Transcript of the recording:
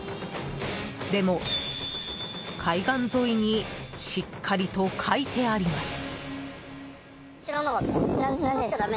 でも、海岸沿いにしっかりと書いてあります。